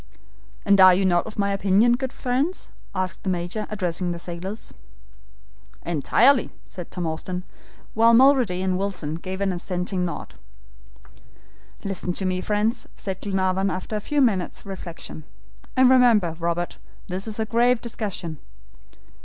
"And are you not of my opinion, good friends," added the Major, addressing the sailors. "Entirely," said Tom Austin, while Mulrady and Wilson gave an assenting nod. "Listen to me, friends," said Glenarvan after a few minutes' reflection; "and remember, Robert, this is a grave discussion.